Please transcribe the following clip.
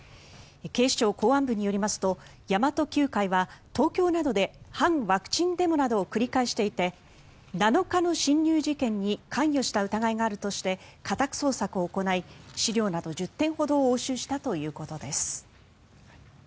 警視庁公安部によりますと神真都Ｑ会は東京などで反ワクチンデモなどを繰り返していて７日の侵入事件に関与した疑いがあるとして家宅捜索を行い資料など１０点ほどを押収したということです。